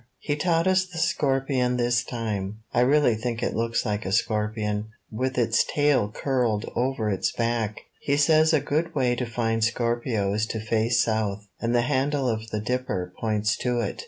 "He taught us the Scorpion this time. I really think it looks like a Scorpion, with its 44 I found this on . 45 tail curled over its back. He says a good way to find Scorpio is to face south, and the handle of the Dipper points to it.